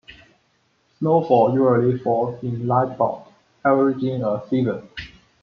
Snowfall usually falls in light bouts, averaging a season.